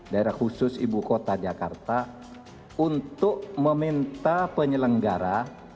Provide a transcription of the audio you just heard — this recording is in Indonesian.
daerah khusus ibu kota jakarta untuk meminta penyelenggara